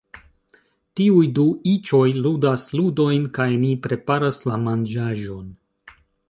Tiuj du iĉoj ludas ludojn kaj ni preparas la manĝaĵon